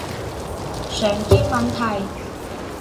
常見問題